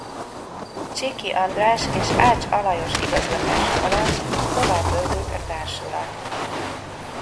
Csíky András és Ács Alajos igazgatása alatt tovább bővült a társulat.